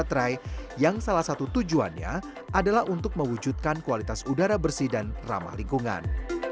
baterai yang salah satu tujuannya adalah untuk mewujudkan kualitas udara bersih dan ramah lingkungan